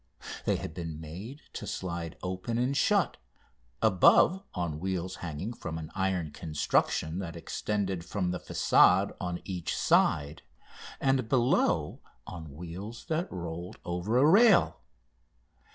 They had been made to slide open and shut, above on wheels hanging from an iron construction that extended from the façade on each side, and below on wheels that rolled over a rail.